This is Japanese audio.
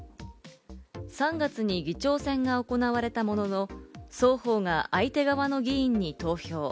３月に議長選が行われたものの、双方が相手側の議員に投票。